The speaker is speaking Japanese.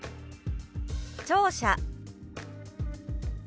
「聴者」。